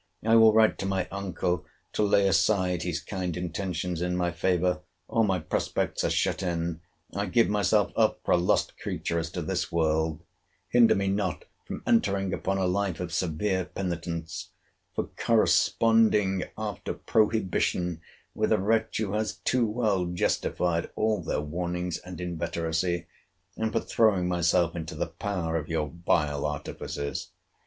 —I will write to my uncle, to lay aside his kind intentions in my favour—all my prospects are shut in—I give myself up for a lost creature as to this world—hinder me not from entering upon a life of severe penitence, for corresponding, after prohibition, with a wretch who has too well justified all their warnings and inveteracy; and for throwing myself into the power of your vile artifices.